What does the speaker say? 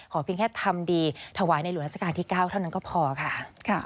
เพียงแค่ทำดีถวายในหลวงราชการที่๙เท่านั้นก็พอค่ะ